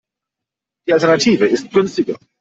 Die Alternative ist günstiger.